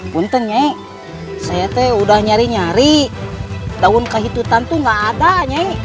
bukannya saya tuh udah nyari nyari daun kehutang tuh gak ada nyi